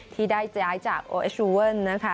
ที่ได้ย้ายจากโอเอชูเวิลนะคะ